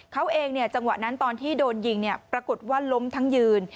เขาเองจังหวะนั้นตอนที่โดนยิงปรากฏว่าล้มทั้งยืน